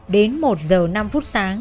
đến một h năm phút sáng